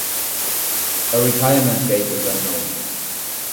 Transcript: A retirement date is unknown.